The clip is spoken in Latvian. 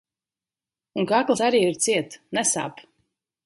Un kakls arī ir ciet - nesāp.